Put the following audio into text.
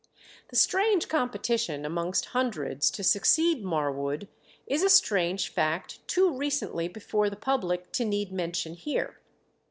The strange competition amongst hundreds to succeed Marwood is a strange fact too recently before the public to need mention here.